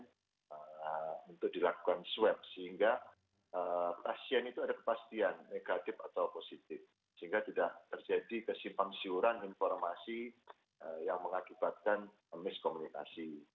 dan juga untuk dilakukan swab sehingga pasien itu ada kepastian negatif atau positif sehingga tidak terjadi kesimpangsiuran informasi yang mengakibatkan miskomunikasi